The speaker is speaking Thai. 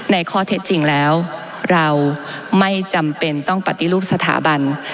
ในข้อเท็จจริงแล้วเราไม่จำเป็นต้องปฏิรูปสถาบัน